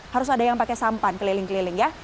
harus ada yang pakai sampan keliling keliling ya